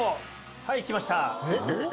はい、きました。